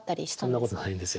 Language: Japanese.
そんなことないんですよ。